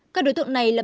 các đối tượng này là